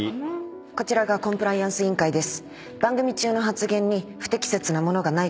こちらがコンプライアンス委員会です。